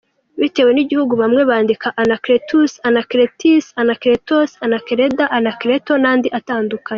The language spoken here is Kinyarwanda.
Bitewe n’igihugu bamwe bandika anacletus, anakletus, anáklētos, anakelda, anakleto n’andi atandukanaye.